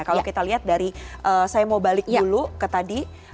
kalau kita lihat dari saya mau balik dulu ke tadi